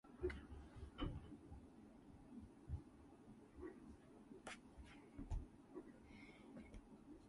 The same thing could also happen to the player, WarWizard, himself.